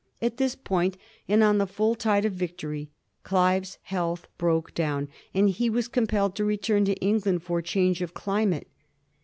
At this point, and on the full tide of victory, Clivers health broke down, and he was compelled to return to England for change of climate.